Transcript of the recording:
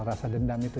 rasa dendam itu